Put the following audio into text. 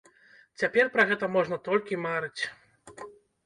Цяпер пра гэта можна толькі марыць.